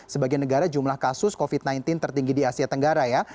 sebagai negara jumlah kasus covid sembilan belas tertinggi di asia tenggara ya